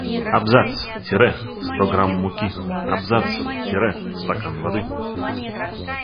Абзац! Тире! Сто грамм муки. Абзац! Тире! Стакан воды.